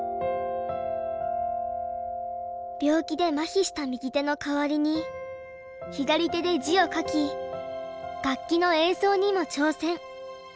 病気でまひした右手の代わりに左手で字を書き楽器の演奏にも挑戦。